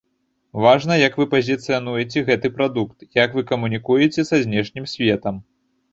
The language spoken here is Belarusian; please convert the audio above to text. Важна, як вы пазіцыянуеце гэты прадукт, як вы камунікуеце са знешнім светам.